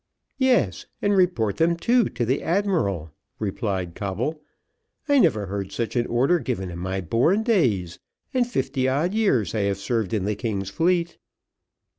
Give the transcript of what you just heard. "Yes, and report them, too, to the admiral," replied Coble; "I never heard such an order given in my born days, and fifty odd years I have served in the king's fleet."